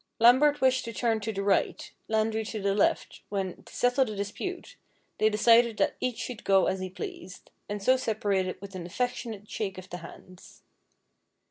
Lambert wished to turn to the right, Landry to the left, when, to settle the dispute, they decided that each should go as he pleased, and so separated with an affectionate shake of the hands.